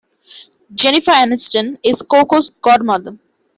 Jennifer Aniston is Coco's godmother.